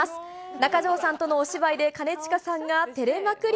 中条さんとのお芝居で兼近さんがてれまくり。